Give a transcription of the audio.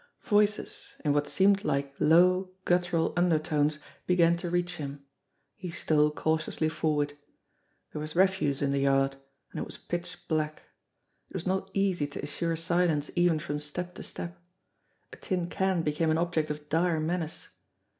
Voices, in what seemed like low, guttural undertones, be gan to reach him. He stole cautiously forward. There was refuse in the yard, and it was pitch black. It was not easy to assure silence even from step to step. A tin can became an object of dire menace.